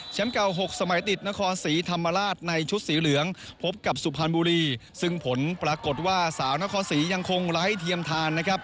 เก่าหกสมัยติดนครศรีธรรมราชในชุดสีเหลืองพบกับสุพรรณบุรีซึ่งผลปรากฏว่าสาวนครศรียังคงไร้เทียมทานนะครับ